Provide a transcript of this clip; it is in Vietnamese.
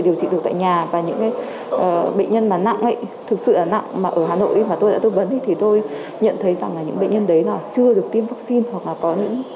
điều trị được tại nhà và những bệnh nhân mà nặng ấy thực sự nặng mà ở hà nội mà tôi đã tư vấn thì tôi nhận thấy rằng là những bệnh nhân đấy chưa được tiêm vaccine hoặc là có những